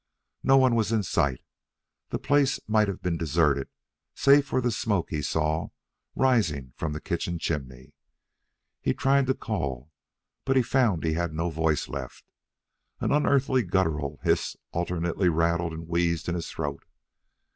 No one was in sight. The place might have been deserted, save for the smoke he saw rising from the kitchen chimney. He tried to call, but found he had no voice left. An unearthly guttural hiss alternately rattled and wheezed in his throat.